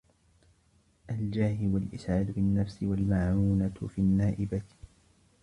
الْجَاهِ وَالْإِسْعَادُ بِالنَّفْسِ وَالْمَعُونَةُ فِي النَّائِبَةِ